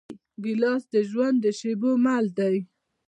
ګیلاس د ژوند د شېبو مل دی.